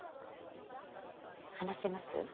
話せます？